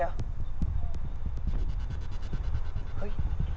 เลื่อย